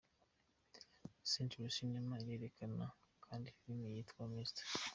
Century Cinema irerekana kandi filime yitwa Mr.